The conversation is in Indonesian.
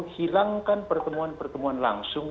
hilangkan pertemuan pertemuan langsung